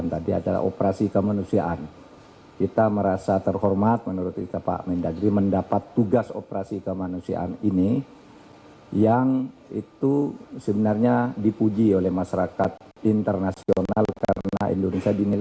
yang tadi adalah operasi kemanusiaan kita merasa terhormat menurut kita pak mindagri mendapat tugas operasi kemanusiaan ini